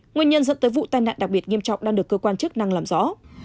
nguyên nhân dẫn tới vụ tai nạn đặc biệt nghiêm trọng đang được cơ quan chức năng làm rõ